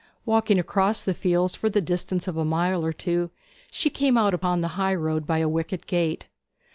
Walking across the fields for the distance of a mile or two, she came out upon the high road by a wicket gate.